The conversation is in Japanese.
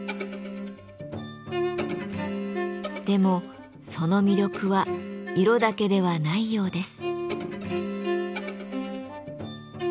でもその魅力は色だけではないようです。